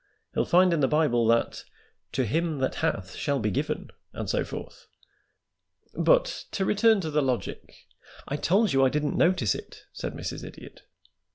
He'll find in the Bible that 'to him that hath shall be given,' and so forth. But to return to the logic " "I told you I didn't notice it," said Mrs. Idiot.